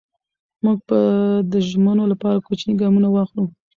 موږ به د ژمنو لپاره کوچني ګامونه واخلو.